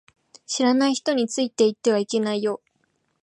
知らない人についていってはいけないよ